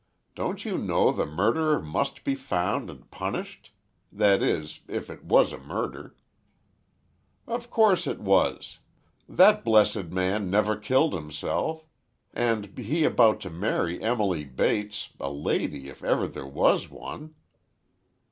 Don't you know the murderer must be found and punished? That is if it was a murder." "Of course it was! That blessed man never killed himself! And he about to marry Emily Bates—a lady, if ever there was one!"